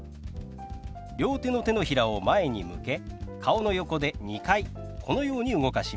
両手の手のひらを前に向け顔の横で２回このように動かします。